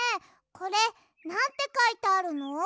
これなんてかいてあるの？